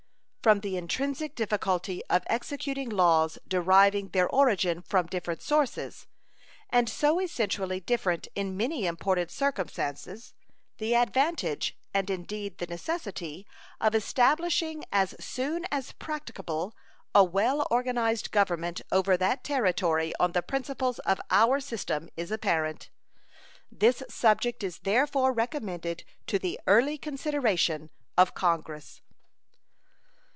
From the intrinsic difficulty of executing laws deriving their origin from different sources, and so essentially different in many important circumstances, the advantage, and indeed the necessity, of establishing as soon as practicable a well organized Government over that Territory on the principles of our system is apparent. This subject is therefore recommended to the early consideration of Congress.